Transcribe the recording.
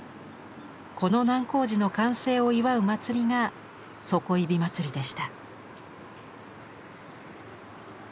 この難工事の完成を祝う祭りが「底井まつり」でした。